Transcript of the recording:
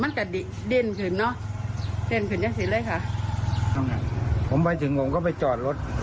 มันจะดินถึงเนอะดินถึงยังสิเลยค่ะผมไปถึงผมก็ไปจอดรถ